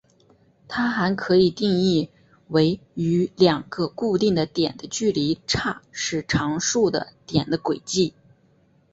它还可以定义为与两个固定的点的距离差是常数的点的轨迹。